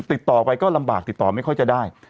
ติดต่อไปก็ลำบากติดต่อไม่ค่อยจะได้